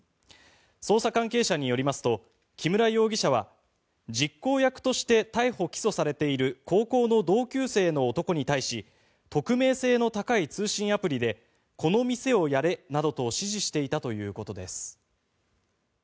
捜査関係者によりますと木村容疑者は実行役として逮捕・起訴されている高校の同級生の男に対し匿名性の高い通信アプリでこの店をやれなどと指示していたということです。